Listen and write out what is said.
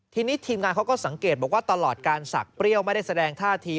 ทีนี้ทีมงานเขาก็สังเกตบอกว่าตลอดการสักเปรี้ยวไม่ได้แสดงท่าที